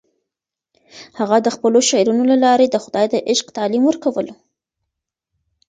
هغه د خپلو شعرونو له لارې د خدای د عشق تعلیم ورکولو.